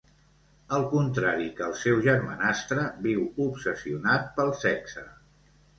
Al contrari que el seu germanastre, viu obsessionat pel sexe.